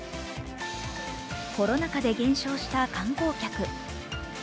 コロナ禍で減少した観光客。